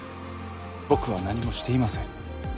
僕は何もしていません。